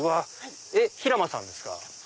平間さんですか？